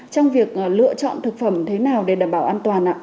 trong việc lựa chọn thực phẩm thế nào để đảm bảo an toàn ạ